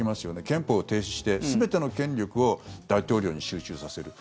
憲法を停止して、全ての権力を大統領に集中させる。